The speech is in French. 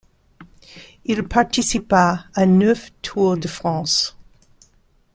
Il participa à neuf Tours de France.